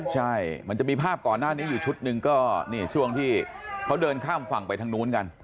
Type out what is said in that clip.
ใช่มันจะมีภาพก่อนหน้านี้อยู่ชุดหนึ่งก็นี่ช่วงที่เขาเดินข้ามฝั่งไปทางนู้นกัน